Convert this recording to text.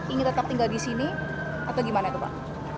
ingin tetap tinggal di sini atau gimana itu pak